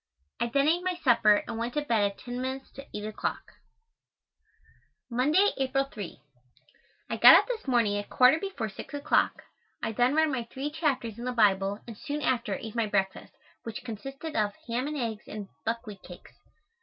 I then ate my supper and went to bed at ten minutes to eight o'clock. Monday, April 3. I got up this morning at quarter before six o'clock. I then read my three chapters in the Bible, and soon after ate my breakfast, which consisted of ham and eggs and buckwheat cakes.